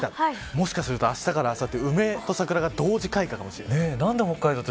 もしかするとあしたからあさって梅と桜が同時開花かもしれません。